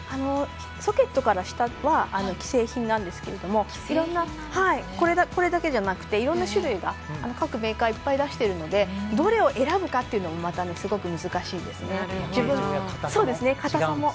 ソケットから下は既製品なんですけどこれだけじゃなくていろんな種類が各メーカーたくさん出してるのでどれを選ぶかっていうのもすごく難しいんですね。